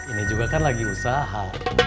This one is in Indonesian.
ini juga kan lagi usaha